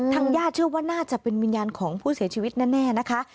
ญาติเชื่อว่าน่าจะเป็นวิญญาณของผู้เสียชีวิตแน่นะคะ